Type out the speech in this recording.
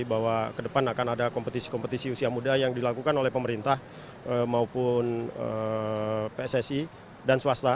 bahwa ke depan akan ada kompetisi kompetisi usia muda yang dilakukan oleh pemerintah maupun pssi dan swasta